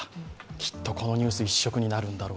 きっとこのニュース一色になるのでしょう。